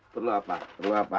perlu apa perlu apa